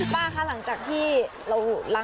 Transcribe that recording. ไปล้างกันค่ะ